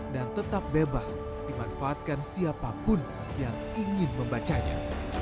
dan tetap bebas dimanfaatkan siapapun yang ingin membacanya